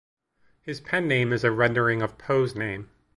His pen name is a rendering of Poe's name.